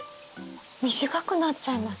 短くなっちゃいます？